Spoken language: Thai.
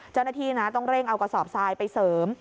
เจ้าหน้าที่นะต้องเร่งเอากระสอบทรายไปเสริม